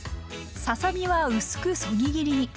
ささ身は薄くそぎ切りに。